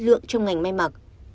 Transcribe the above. năng lượng trong ngành may mặc